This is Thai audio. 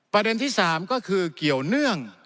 ประเด็นที่๓ก็คือเกี่ยวเนื่อง